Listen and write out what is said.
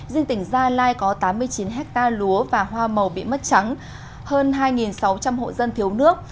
dinh tỉnh gia lai có tám mươi chín hectare lúa và hoa màu bị mất trắng hơn hai sáu trăm linh hộ dân thiếu nước